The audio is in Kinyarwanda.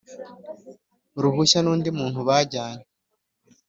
ruhushya n undi muntu bajyanye